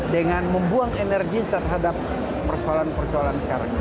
dengan membuang energi terhadap persoalan persoalan sekarang